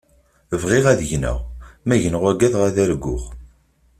Bɣiɣ ad gneɣ, ma gneɣ ugadeɣ ad arguɣ.